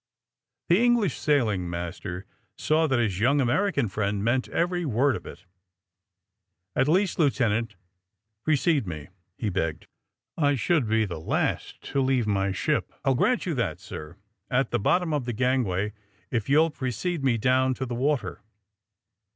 The English sailing master saw that his young American friend meant every word of it. '^At least, Lieutenant, precede me," he begged. ^^ I should be the last to leave my ship. '' ^^I'U grant you that, sir, at the bottom of the gangway, if you'll precede me down to the water.